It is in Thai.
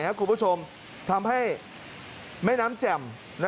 ครับคุณประชมทำให้แม่น้ำแจ่ม